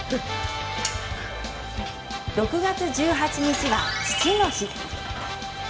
６月１８日は父の日です。